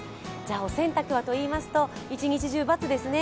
お洗濯はといいますと、一日中×ですね。